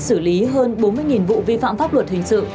xử lý hơn bốn mươi vụ vi phạm pháp luật hình sự